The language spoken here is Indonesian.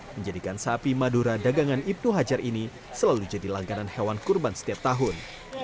menjadikan sapi madura dagangan ibtu hajar ini selalu jadi langganan hewan kurban setiap tahun